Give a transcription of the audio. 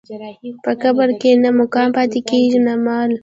په قبر کې نه مقام پاتې کېږي نه مال.